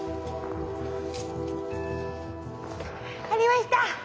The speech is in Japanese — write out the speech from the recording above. ありました！